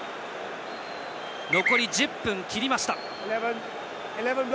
残り１０分を切りました。